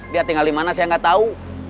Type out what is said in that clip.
dia tinggal di mana saya nggak tahu